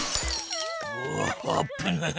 うわあぶない。